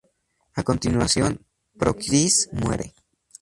A continuación, Procris muere.